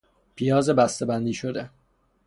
پیاز بستهبندی شده